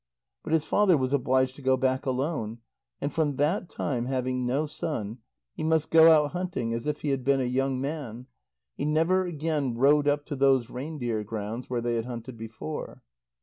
But his father was obliged to go back alone, and from that time, having no son, he must go out hunting as if he had been a young man. And he never again rowed up to those reindeer grounds where they had hunted before.